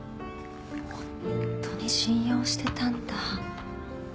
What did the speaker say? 本当に信用してたんだ。